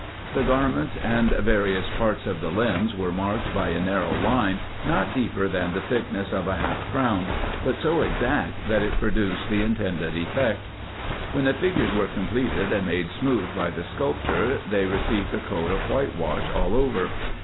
The garments, and various parts of the limbs, were marked by a narrow line, not deeper than the thickness of a half crown, but so exact, that it produced the intended effect. IN EGYPT, NUBIA, &c. 239 When the figures were completed and made smooth by the sculptor, they received a coat of whitewash all over.